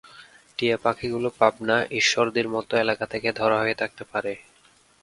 টিয়া পাখিগুলো পাবনা, ঈশ্বরদীর মতো এলাকা থেকে ধরা হয়ে থাকতে পারে।